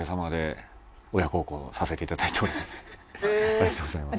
ありがとうございます。